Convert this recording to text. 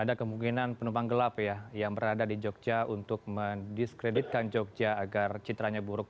ada kemungkinan penumpang gelap ya yang berada di jogja untuk mendiskreditkan jogja agar citranya buruk